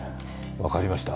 分かりました。